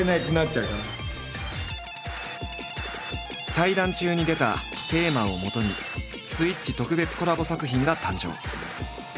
対談中に出たテーマをもとに「スイッチ」特別コラボ作品が誕生！！